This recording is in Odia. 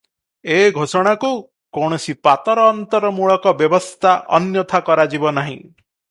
ଏ ଘୋଷଣାକୁ କୌଣସି ପାତରଅନ୍ତରମୂଳକ ବ୍ୟବସ୍ଥା ଅନ୍ୟଥା କରାଯିବ ନାହିଁ ।